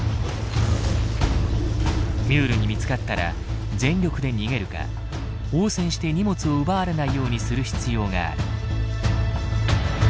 ミュールに見つかったら全力で逃げるか応戦して荷物を奪われないようにする必要がある。